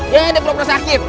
ya dia bener bener sakit